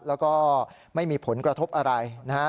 แล้วก็ไม่มีผลกระทบอะไรนะฮะ